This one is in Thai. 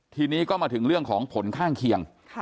ทีนี้ก็มาถึงเรื่องของผลข้างเคียง